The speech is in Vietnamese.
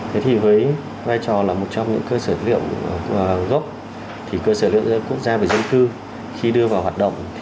với vai trò là một trong những cơ sở dữ liệu gốc cơ sở dữ liệu quốc gia về dân cư khi đưa vào hoạt động